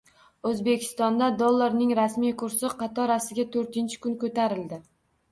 O‘zbekistonda dollarning rasmiy kursi qatorasiga to‘rtinchi kun ko‘tarildi